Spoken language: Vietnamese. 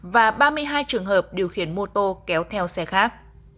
và ba mươi hai trường hợp điều khiển mô tô kéo theo xe khác